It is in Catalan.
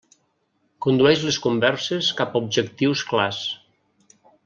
Condueix les converses cap a objectius clars.